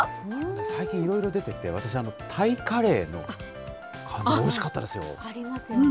最近いろいろ出てて、私、タイカレーの缶詰、おいしかったでありますよね。